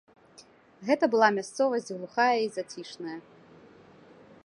Гэта была мясцовасць глухая і зацішная.